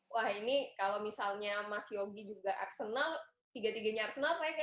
wah ini kalau misalnya mas yogi juga arsenal tiga tiganya arsenal saya kayak